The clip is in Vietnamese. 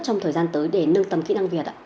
trong thời gian tới để nâng tầm kỹ năng việt ạ